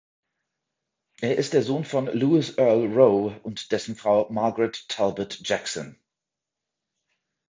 Er ist der Sohn von "Louis Earle Rowe" und dessen Frau "Margaret Talbot Jackson".